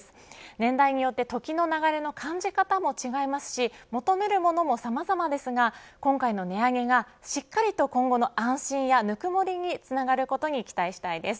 年代によって、時の流れの感じ方も違いますし求めるものもさまざまですが今回の値上げがしっかりと今後の安心やぬくもりにつながることに期待したいです。